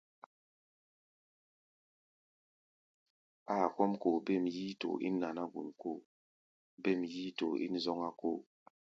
Áa kɔ́ʼm koo bêm yíítoo ín naná-gun kóo, bêm yíítoo ín zɔ́ŋá-kóo.